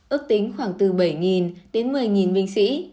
ước tính khoảng từ bảy đến một mươi binh sĩ